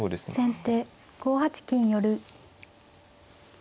先手５八金寄。